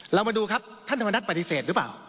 มาดูครับท่านธรรมนัฐปฏิเสธหรือเปล่า